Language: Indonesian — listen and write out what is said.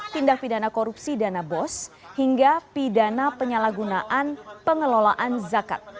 tindak pidana korupsi dana bos hingga pidana penyalahgunaan pengelolaan zakat